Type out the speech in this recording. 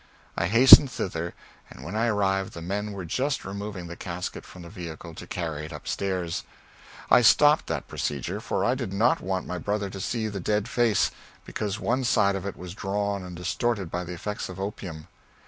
I hastened thither, and when I arrived the men were just removing the casket from the vehicle to carry it up stairs. I stopped that procedure, for I did not want my mother to see the dead face, because one side of it was drawn and distorted by the effects of the opium.